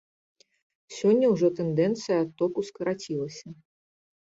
Сёння ўжо тэндэнцыя адтоку скарацілася.